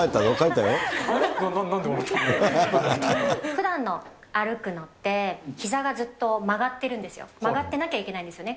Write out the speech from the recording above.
ふだんの歩くのって、ひざがずっと曲がってるんですよ、曲がってなきゃいけないんですよね。